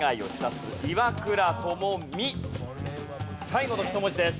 最後の１文字です。